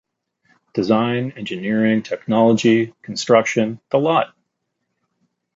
Design, engineering, technology, construction-the lot!